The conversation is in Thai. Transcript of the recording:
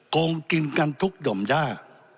โกงกินกันทุกหย่อมย่า